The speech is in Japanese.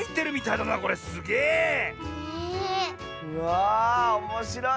うわあおもしろい。